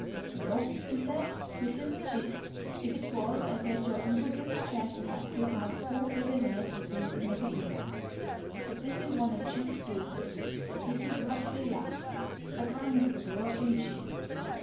"Nope," he said. "This isn't Chief. If it was, I guess your Uncle Dick's check would have to have four figures in it before you could make a deal. But this is one of Chief's daughters. This is Rothsay Lass. A grand little girl, ain't she?